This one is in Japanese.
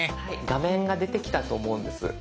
画面が出てきたと思うんです。